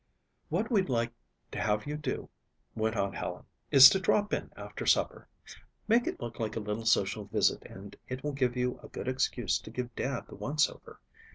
"What we'd like to have you do," went on Helen, "is to drop in after supper. Make it look like a little social visit and it will give you a good excuse to give Dad the once over.